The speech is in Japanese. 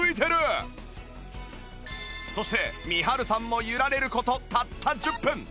そしてみはるさんも揺られる事たった１０分